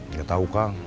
nggak tahu kang